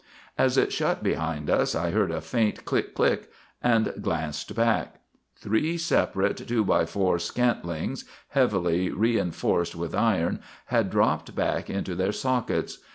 As it shut behind us I heard a faint click click, and glanced back. Three separate two by four scantlings, heavily re enforced with iron, had dropped back into their sockets.